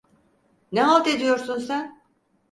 Ne halt ediyorsun sen?